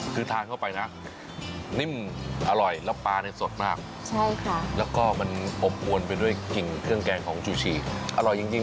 คือทานเข้าไปนะนิ่มอร่อยแล้วปลาเนี่ยสดมากแล้วก็มันอบอวนไปด้วยกลิ่นเครื่องแกงของชูชีอร่อยจริง